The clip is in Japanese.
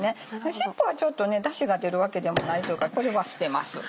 尻尾はちょっとだしが出るわけでもないというかこれは捨てます。